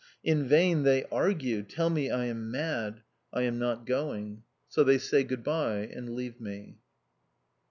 In vain they argue, tell me I am mad. I am not going. So they say good bye and leave me.